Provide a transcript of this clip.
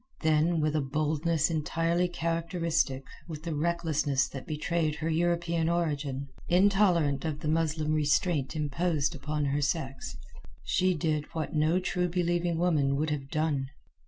Then, with a boldness entirely characteristic, with the recklessness that betrayed her European origin, intolerant of the Muslim restraint imposed upon her sex, she did what no True believing woman would have done.